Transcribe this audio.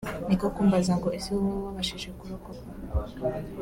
niko kumbaza ngo ese wowe wabashije kurokoka